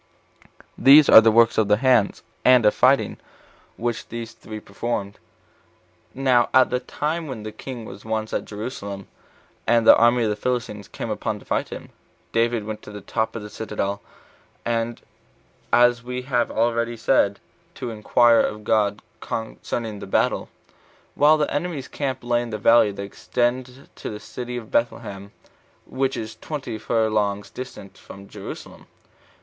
These are the works of the hands, and of fighting, which these three performed. Now at the time when the king was once at Jerusalem, and the army of the Philistines came upon him to fight him, David went up to the top of the citadel, as we have already said, to inquire of God concerning the battle, while the enemy's camp lay in the valley that extends to the city Bethlehem, which is twenty furlongs distant from Jerusalem.